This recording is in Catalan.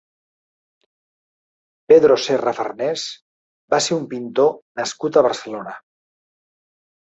Pedro Serra Farnés va ser un pintor nascut a Barcelona.